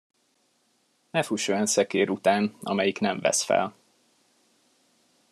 Ne fuss olyan szekér után, amelyik nem vesz fel.